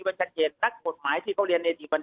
เขาจะดูความวิวัคตรายดีการั้นเป็นหลักครับพี่สุภาพ